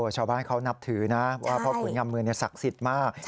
ชาวบ้านเขานับถือนะว่าพ่อขุนงำมือศักดิ์สิทธิ์มาก